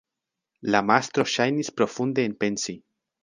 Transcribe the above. La mastro ŝajnis profunde enpensi.